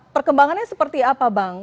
perkembangannya seperti apa bang